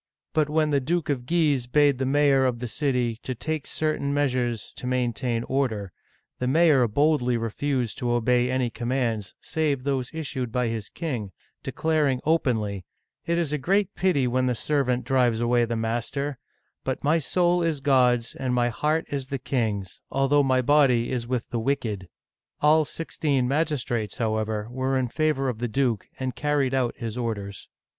But when the Duke of Guise bade the mayor of the city take certain measures to maintain order, the mayor boldly refused to obey any commands save those issued by his king, declar ing openly :" It is a great pity when the servant drives away the master; but my soul is God*s and my heart is the king's, although my body is with the wicked !*' All sixteen magistrates, however, were in favor of the duke, and carried out his orders.